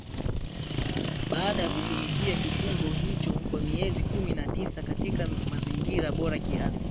baada ya kutumikia kifungo hicho kwa miezi kumi na tisa katika mazingira bora kiasi